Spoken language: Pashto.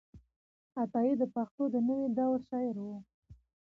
عطايي د پښتو د نوې دور شاعر و.